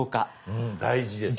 うん大事ですね。